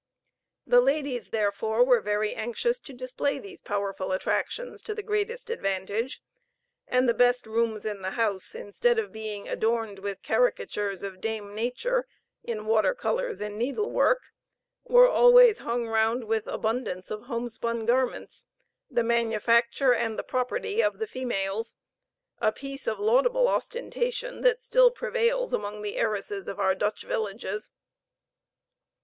The ladies, therefore, were very anxious to display these powerful attractions to the greatest advantage; and the best rooms in the house, instead of being adorned with caricatures of Dame Nature, in water colors and needlework, were always hung round with abundance of homespun garments, the manufacture and the property of the females; a piece of laudable ostentation that still prevails among the heiresses of our Dutch villages.